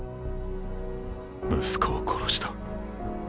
息子を殺した。